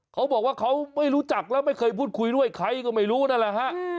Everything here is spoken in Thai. เขาบอกว่าเขาไม่รู้จักแล้วไม่เคยพูดคุยด้วยใครก็ไม่รู้นั่นแหละฮะ